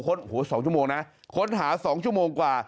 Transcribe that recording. ๒ชั่วโมงนะค้นหา๒ชั่วโมงกว่า